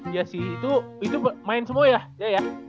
iya sih itu main semua ya